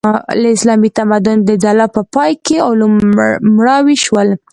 د اسلامي تمدن د ځلا په پای کې علوم مړاوي شول.